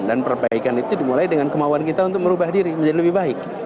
dan perbaikan itu dimulai dengan kemauan kita untuk merubah diri menjadi lebih baik